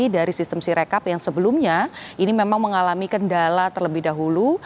dari sistem sirekap yang sebelumnya ini memang mengalami kendala terlebih dahulu